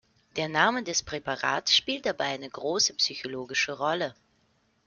Der Name des Präparats spielt dabei eine große psychologische Rolle.